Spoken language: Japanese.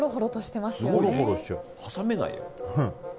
挟めないよ。